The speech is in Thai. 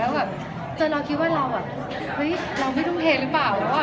แล้วแบบจนเราคิดว่าเราแบบเฮ้ยเราไม่ทุ่มเทหรือเปล่า